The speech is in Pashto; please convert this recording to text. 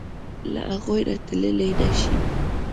له هغوی نه تللی نشې.